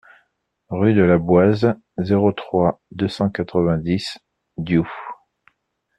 Rue de la Boise, zéro trois, deux cent quatre-vingt-dix Diou